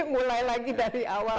mulai lagi dari awal